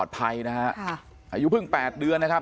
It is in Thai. ภายนะฮะอายุเพิ่ง๘เดือนนะครับ